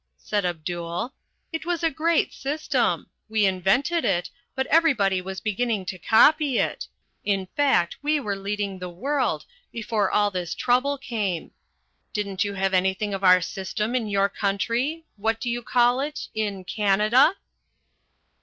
said Abdul. "It was a great system. We invented it, but everybody was beginning to copy it. In fact, we were leading the world, before all this trouble came. Didn't you have anything of our system in your country what do you call it in Canada?"